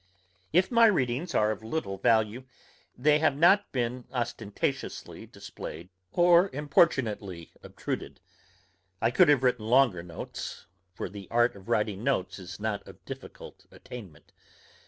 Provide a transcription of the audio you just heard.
If my readings are of little value, they have not been ostentatiously displayed or importunately obtruded. I could have written longer notes, for the art of writing notes is not of difficult attainment.